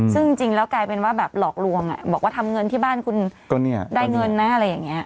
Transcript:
ซึ่งจริงแล้วกลายเป็นว่าแบบหลอกลวงบอกว่าทำเงินที่บ้านคุณได้เงินนะอะไรอย่างนี้